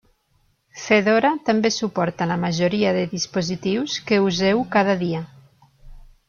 Fedora també suporta la majoria de dispositius que useu cada dia.